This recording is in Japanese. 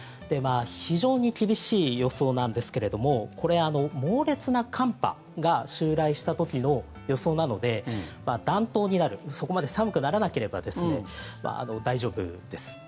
非常に厳しい予想なんですけれどもこれ、猛烈な寒波が襲来した時の予想なので暖冬になるそこまで寒くならなければですね大丈夫です。